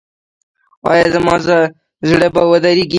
ایا زما زړه به ودریږي؟